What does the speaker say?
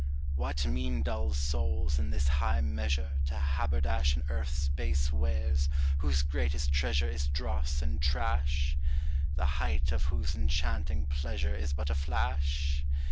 What mean dull souls, in this high measure, To haberdash In earth's base wares, whose greatest treasure Is dross and trash? The height of whose enchanting pleasure Is but a flash?